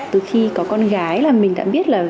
từ khi có con gái là mình đã biết là